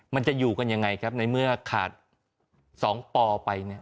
มันจะอยู่กันยังไงครับในเมื่อขาด๒ปอไปเนี่ย